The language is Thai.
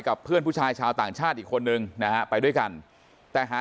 กับเพื่อนผู้ชายชาวต่างชาติอีกคนนึงนะฮะไปด้วยกันแต่หา